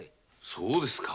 そうですか。